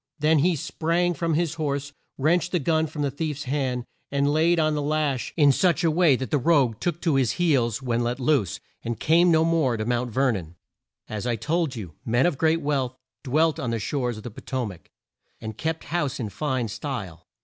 Then he sprang from his horse, wrenched the gun from the thief's hand, and laid on the lash in such a way that the rogue took to his heels when let loose, and came no more near Mount Ver non. As I have told you, men of great wealth dwelt on the shores of the Po to mac, and kept house in fine style.